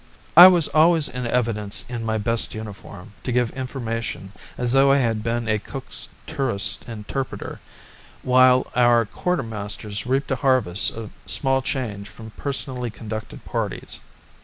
I was always in evidence in my best uniform to give information as though I had been a Cook's tourists' interpreter, while our quarter masters reaped a harvest of small change from personally conducted parties.